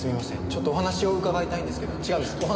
ちょっとお話を伺いたいんですけど。